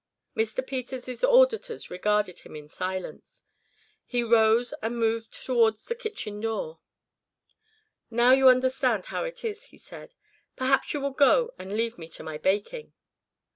Mr. Peters' auditors regarded him in silence. He rose and moved toward the kitchen door. "Now you understand how it is," he said. "Perhaps you will go and leave me to my baking."